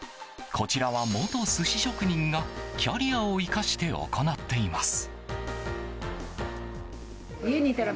こちらは元寿司職人がキャリアを生かして行っています。